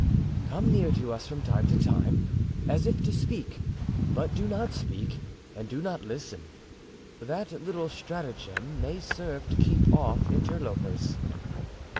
"Come near to us from time to time, as if to speak; but do not speak, and do not listen. That little stratagem may serve to keep off interlopers."